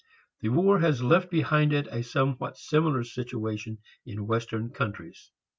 The war has left behind it a somewhat similar situation in western countries.